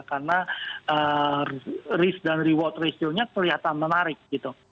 karena risk dan reward ratio nya kelihatan menarik gitu